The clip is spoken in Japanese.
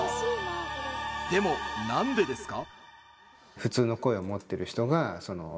でも、何でですか？